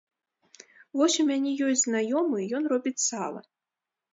Вось у мяне ёсць знаёмы, ён робіць сала.